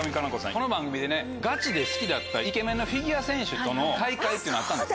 この番組でガチで好きだったイケメンのフィギュア選手との再会っていうのあったんです。